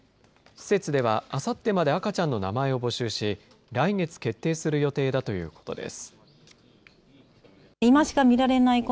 施設では、あさってまで赤ちゃんの名前を募集し、来月決定する予定だということです。